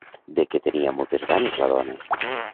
De què tenia moltes ganes la dona?